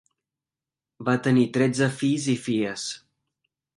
Va tenir tretze fills i filles.